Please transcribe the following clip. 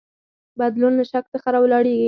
بدلون له شک څخه راولاړیږي.